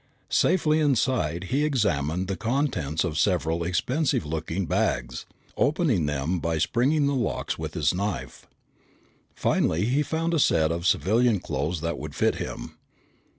Safely inside, he examined the contents of several expensive looking bags, opening them by springing the locks with his knife. Finally he found a set of civilian clothes that would fit him.